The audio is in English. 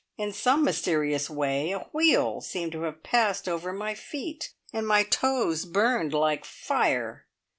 In some mysterious way a wheel seemed to have passed over my feet, and my toes burned like fire.